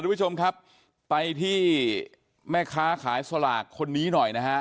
ทุกผู้ชมครับไปที่แม่ค้าขายสลากคนนี้หน่อยนะฮะ